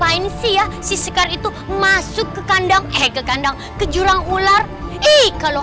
aku akan menganggap